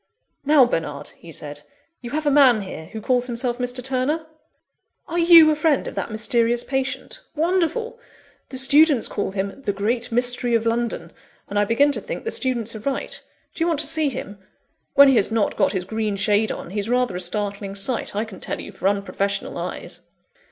"Now, Bernard," he said, "you have a man here, who calls himself Mr. Turner?" "Are you a friend of that mysterious patient? Wonderful! The students call him 'The Great Mystery of London;' and I begin to think the students are right. Do you want to see him? When he has not got his green shade on, he's rather a startling sight, I can tell you, for unprofessional eyes."